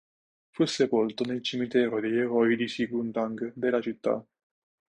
Fu sepolto nel cimitero degli eroi di Siguntang della città.